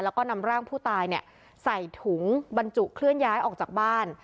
แล้วก็นำร่างผู้ตายใส่ถุงบรรจุเคลื่อนย้ายออกจากบ้าน